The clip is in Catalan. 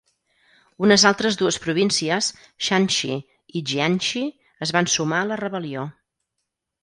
Unes altres dues províncies, Shanxi i Jiangxi, es van sumar a la rebel·lió.